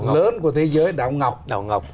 lớn của thế giới đảo ngọc